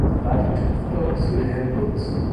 Sie war die Tochter des Wilhelm Lutz.